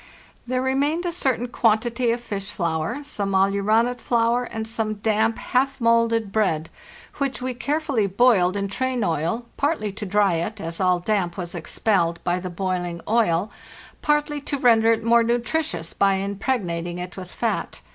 There remained a certain quantity of fish flour, some aleuronate flour, and some damp half moulded bread, which we carefully boiled in train oil, partly to dry it, as all damp was expelled by the boiling oil, partly to render it more nutritious by impreg nating it with fat.